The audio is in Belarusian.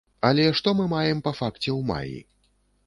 Але што мы маем па факце ў маі?